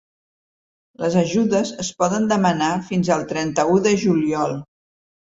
Les ajudes es poden demanar fins al trenta-u de juliol.